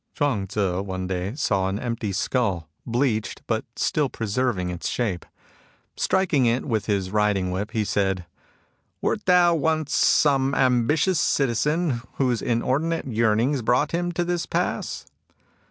Chuang((Tzu one day saw an empty skuU, bleached, but still preserving its shape. Striking it with his riding whip, he said :" Wert thou once some ambitious citizen whose inordinate yearnings brought him to this pass